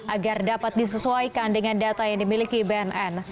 agar dapat disesuaikan dengan data yang dimiliki bnn